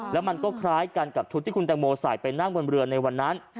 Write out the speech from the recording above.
แล้วมันก็คล้ายกันกับชุดที่คุณแตงโมใส่ไปนั่งบนเรือในวันนั้น